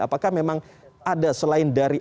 apakah memang ada selain dari